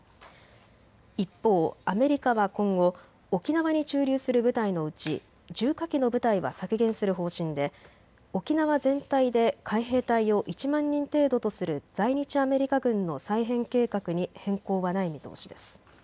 一方、アメリカは今後、沖縄に駐留する部隊のうち重火器の部隊は削減する方針で沖縄全体で海兵隊を１万人程度とする在日アメリカ軍の再編計画に変更はない見通しです。